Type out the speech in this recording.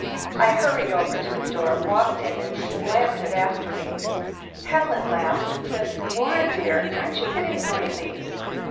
I hurried over to the door, walked in and slammed it after me. Helen laughed and said: "Warren, dear, aren't you getting noisy?"